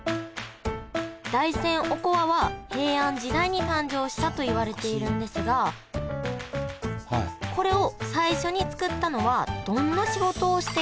大山おこわは平安時代に誕生したといわれているんですがこれを最初に作ったのはどんな仕事をしていた方でしょうか？